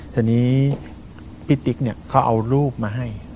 ทีนี้พี่ติ๊กเนี่ยเขาเอารูปมาให้